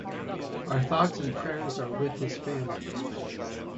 Our thoughts and prayers are with his family.